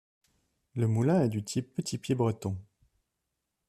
Le moulin est du type petit pied breton.